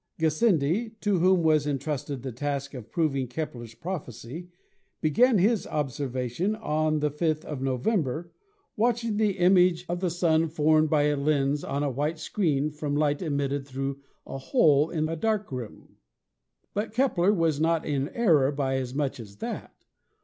Gassendi, to whom was entrusted the task of proving Kepler's prophecy, be gan his observation on the 5th of November, watching the image of the Sun formed by a lens on a white screen from light admitted through a hole in a dark room. But Kepler was not in error by as much as that.